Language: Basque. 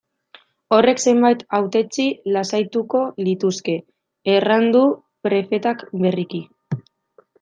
Horrek zenbait hautetsi lasaituko lituzke, erran du prefetak berriki.